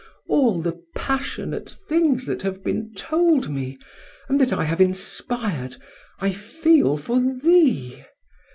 All the passionate things that have been told me, and that I have inspired, I feel for thee!